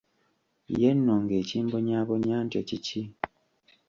Ye nno ng’ekimbonyaabonya ntyo kiki?